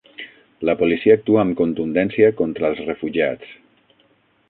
La policia actua amb contundència contra els refugiats